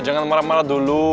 jangan marah marah dulu